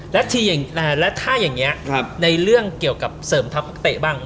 และถ้าอย่างนี้ในเรื่องเกี่ยวกับเสริมทัพนักเตะบ้าง